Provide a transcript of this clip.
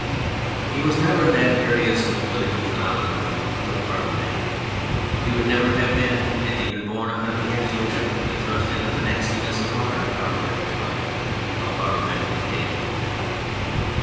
He was never that dirtiest of political phenomena, the " party man." He would never have been, had he been born a hundred years later and thrust into the nastiness of modern parliamentary life, " a parliamentary hand."